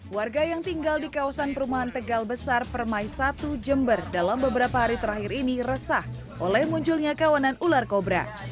warga yang tinggal di kawasan perumahan tegal besar permai satu jember dalam beberapa hari terakhir ini resah oleh munculnya kawanan ular kobra